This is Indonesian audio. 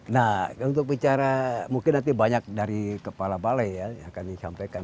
nah untuk bicara mungkin nanti banyak dari kepala balai ya yang akan disampaikan